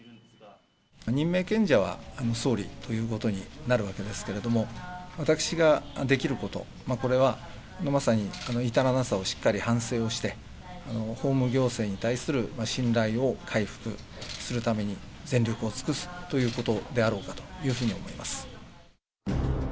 任命権者は総理ということになるわけですけれども、私ができること、これはまさに至らなさをしっかり反省をして、法務行政に対する信頼を回復するために全力を尽くすということであろうかというふうに思います。